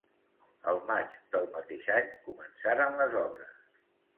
El maig del mateix any començaren les obres.